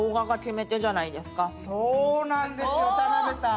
そうなんですよ田辺さん。